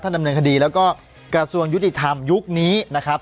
ดำเนินคดีแล้วก็กระทรวงยุติธรรมยุคนี้นะครับ